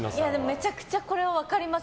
めちゃくちゃこれは分かります。